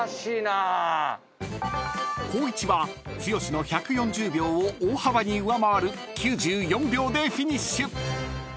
［光一は剛の１４０秒を大幅に上回る９４秒でフィニッシュ］